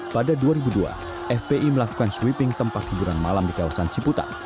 pada dua ribu dua fpi melakukan sweeping tempat hiburan malam di kawasan ciputat